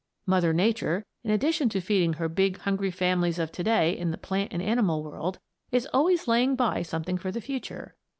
Mother Nature, in addition to feeding her big, hungry families of to day in the plant and animal world, is always laying by something for the future.